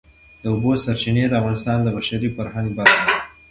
د اوبو سرچینې د افغانستان د بشري فرهنګ برخه ده.